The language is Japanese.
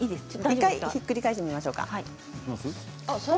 一度ひっくり返してみましょう。